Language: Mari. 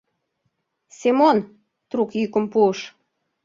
— Семон! — трук йӱкым пуыш.